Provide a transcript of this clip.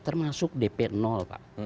termasuk dp pak